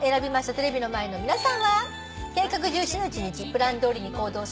テレビの前の皆さんは。